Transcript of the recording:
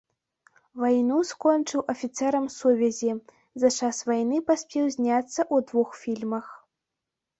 Вайну скончыў афіцэрам сувязі, за час вайны паспеў зняцца ў двух фільмах.